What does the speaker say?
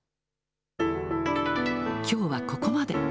きょうはここまで。